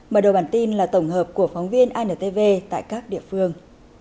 mở đầu bản tin là tổng hợp của phóng viên antv tại các địa phương